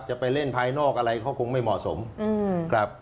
จะไปเล่นภายนอกอะไรเขาคงไม่เหมาะสมครับ